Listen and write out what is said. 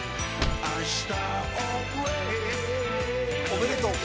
おめでとう。